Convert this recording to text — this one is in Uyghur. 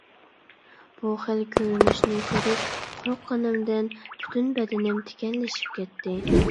بۇ خىل كۆرۈنۈشنى كۆرۈپ قورققىنىمدىن پۈتۈن بەدىنىم تىكەنلىشىپ كەتتى.